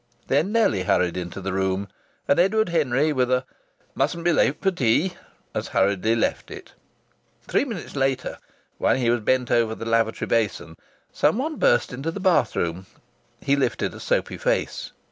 Then Nellie hurried into the room, and Edward Henry, with a "Mustn't be late for tea," as hurriedly left it. Three minutes later, while he was bent over the lavatory basin, someone burst into the bathroom. He lifted a soapy face.